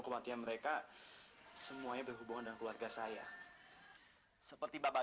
aku ingin sekali hidup bahagia bersama mas